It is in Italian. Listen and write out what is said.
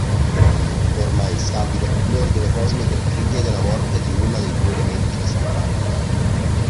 Ormai instabile, l'ordine cosmico richiede la morte di una dei due elementi disturbanti.